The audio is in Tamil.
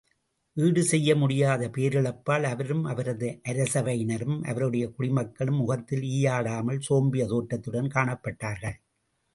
ஈடு செய்ய முடியாத பேரிழப்பால் அவரும் அவரது அரசவையினரும் அவருடைய குடிமக்களும் முகத்தில் ஈயாடாமல், சோம்பிய தோற்றத்துடன் காணப்பட்டார்கள்!